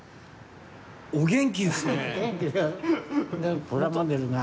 お元気ですね。